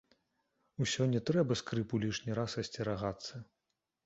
Усё не трэба скрыпу лішні раз асцерагацца.